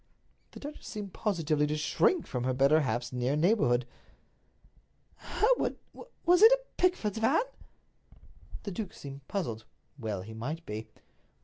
The duchess seemed positively to shrink from her better half's near neighborhood. "Hereward, was it a Pickford's van?" The duke seemed puzzled. Well he might be.